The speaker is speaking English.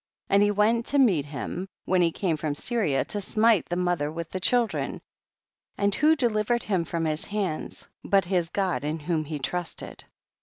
15. And he went to meet him when he came from Syria, to smite the mother with the children, and who delivered him from his hands but his God in whom he trusted?